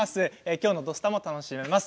今日の「土スタ」も楽しめます。